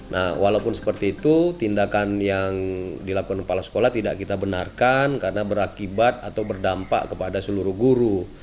nah walaupun seperti itu tindakan yang dilakukan kepala sekolah tidak kita benarkan karena berakibat atau berdampak kepada seluruh guru